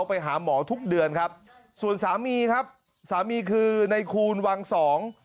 ไปหาหมอทุกเดือนครับส่วนสามีครับสามีคือในคูณวังสอง